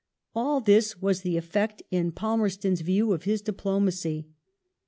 All this was the effect, in Palmerston's view, of his diplomacy.